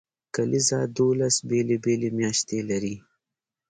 کلیزه دولس بیلې بیلې میاشتې لري.